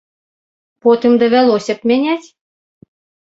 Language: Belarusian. Потым давялося б мяняць.